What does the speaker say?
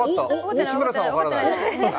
吉村さん分からない。